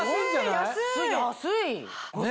安い！